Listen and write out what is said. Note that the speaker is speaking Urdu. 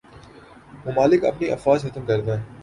ممالک اپنی افواج ختم کر دیں